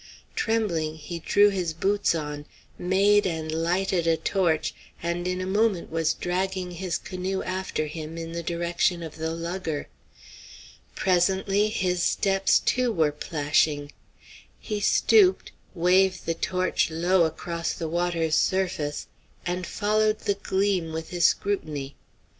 Trembling, he drew his boots on, made and lighted a torch, and in a moment was dragging his canoe after him in the direction of the lugger. Presently his steps, too, were plashing. He stooped, waved the torch low across the water's surface, and followed the gleam with his scrutiny.